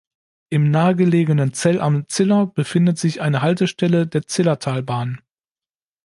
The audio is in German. Im nahe gelegenen Zell am Ziller befindet sich eine Haltestelle der Zillertalbahn.